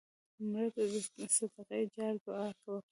مړه ته د صدقې جار دعا وکړه